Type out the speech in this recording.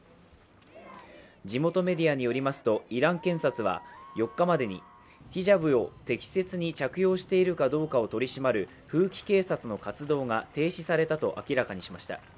地元メディアによりますとイラン検察は４日までにヒジャブを適切に着用しているかどうかを取り締まる風紀警察の活動が停止されたと明らかにしました。